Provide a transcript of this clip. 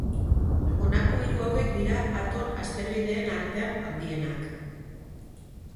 Honako hiru hauek dira Aton asteroideen artean handienak.